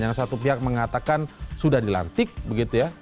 yang satu pihak mengatakan sudah dilantik begitu ya